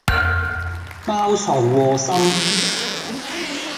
包藏禍心